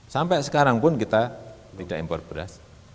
sampai sekarang pun kita tidak impor beras